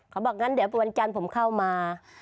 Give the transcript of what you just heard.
เขาบอกเดี๋ยววันจำผมเข้ามา